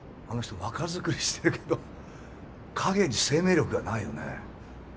あの人若作りしてるけど影に生命力がないよね。